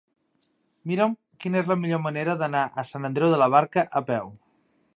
Mira'm quina és la millor manera d'anar a Sant Andreu de la Barca a peu.